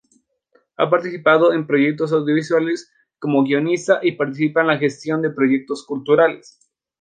Ha participado en proyectos audiovisuales como guionista y participa en gestión de proyectos culturales.